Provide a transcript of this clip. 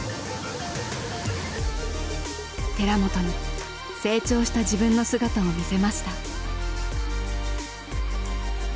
寺本に成長した自分の姿を見せました。